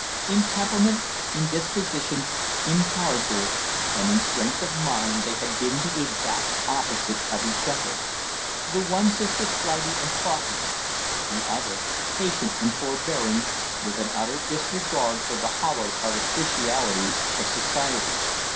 In temperament, in disposition, in character, and in strength of mind they had been the exact opposite of each other; the one sister flighty and thoughtless, the other patient and forbearing, with an utter disregard for the hollow artificialities of Society.